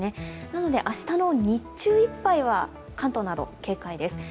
なので明日の日中いっぱいは関東など警戒です。